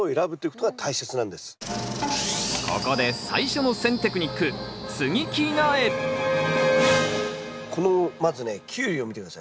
ここで最初の選テクニックこのまずねキュウリを見て下さい。